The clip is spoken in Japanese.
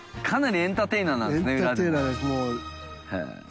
エンターテイナーです。